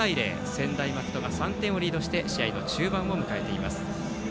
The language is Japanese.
専大松戸が３点をリードして試合の中盤を迎えています。